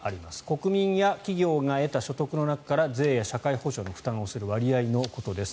国民や企業が得た所得の中から税や社会保障の負担をする割合のことです。